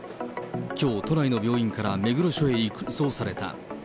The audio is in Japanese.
きょう、都内の病院から目黒署へ移送された。